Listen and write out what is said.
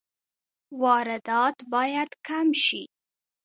واردات باید کم شي